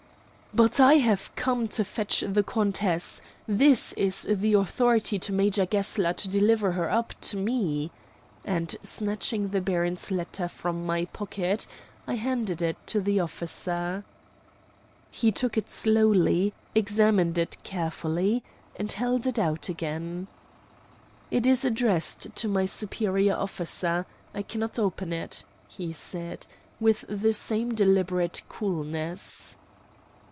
"But I have come to fetch the countess. This is the authority to Major Gessler to deliver her up to me," and, snatching the baron's letter from my pocket, I handed it to the officer. He took it slowly, examined it carefully, and held it out again. "It is addressed to my superior officer, I cannot open it," he said, with the same deliberate coolness.